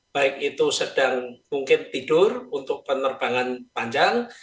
baik itu sedang mungkin tidur untuk penerbangan panjang